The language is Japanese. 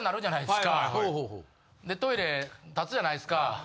でトイレ立つじゃないですか。